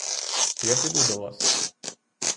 Я піду до вас!